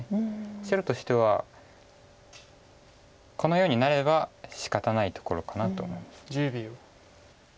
白としてはこのようになればしかたないところかなと思います。